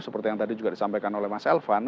seperti yang tadi juga disampaikan oleh mas elvan